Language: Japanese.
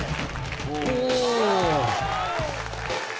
お。